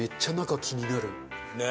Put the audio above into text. ねえ。